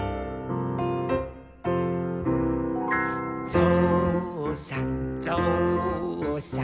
「ぞうさんぞうさん」